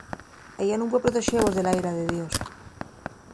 Ella nun pue protexevos de la ira de Dios.